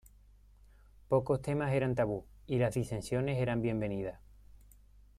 Pocos temas eran tabú, y las disensiones era bienvenidas.